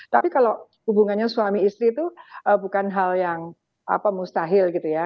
tapi kalau hubungannya suami istri itu bukan hal yang mustahil gitu ya